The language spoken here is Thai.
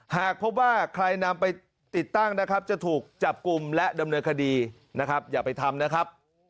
หากพบว่าใครนำไปติดตั้งนะครับจะถูกจับกลุ่มและดำเนินคดีนะครับอย่าไปทำนะครับ